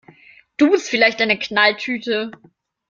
Du bist vielleicht eine Knalltüte!